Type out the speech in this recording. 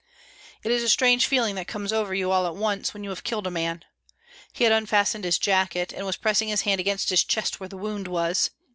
It is a strange feeling that comes over you all at once when you have killed a man. He had unfastened his jacket, and was pressing his hand against his chest where the wound was.